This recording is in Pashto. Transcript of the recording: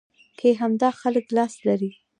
کې همدا خلک لاس لري.